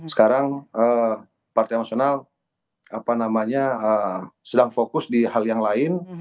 sekarang partai nasional sedang fokus di hal yang lain